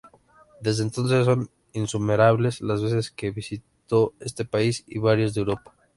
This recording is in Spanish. Desde entonces, son innumerables las veces que visitó ese país, y varios de Europa.